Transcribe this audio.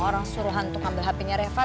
orang suruhan untuk ambil hpnya refah